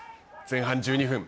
前半１２分。